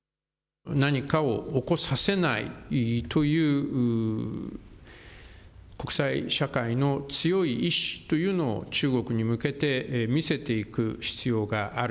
何かを起こさせないという国際社会の強い意思というのを、中国に向けて見せていく必要がある。